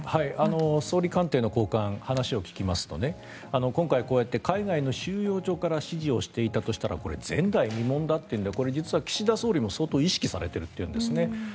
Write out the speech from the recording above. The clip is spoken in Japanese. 総理官邸の高官話を聞きますと今回、こうやって海外の収容所から指示をしていたとすればこれ、前代未聞だというのでこれ、実は岸田総理も相当意識されているというんですね。